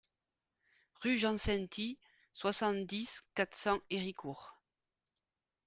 Rue Jean Sainty, soixante-dix, quatre cents Héricourt